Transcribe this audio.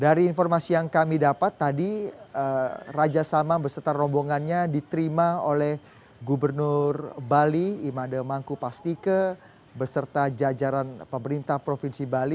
dari informasi yang kami dapat tadi raja salman beserta rombongannya diterima oleh gubernur bali imade mangku pastike beserta jajaran pemerintah provinsi bali